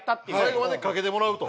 最後までかけてもらうと。